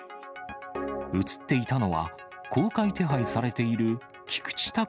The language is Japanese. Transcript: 写っていたのは、公開手配されている、菊池隆